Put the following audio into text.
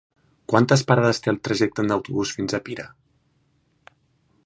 Quantes parades té el trajecte en autobús fins a Pira?